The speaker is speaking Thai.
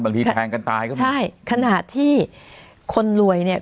บางทีแทงกันตายก็มีใช่ขนาดที่คนรวยเนี่ย